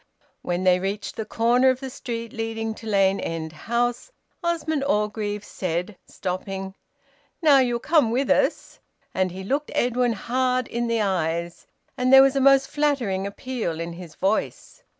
When they reached the corner of the street leading to Lane End House, Osmond Orgreave said, stopping "Now you'll come with us?" And he looked Edwin hard in the eyes, and there was a most flattering appeal in his voice.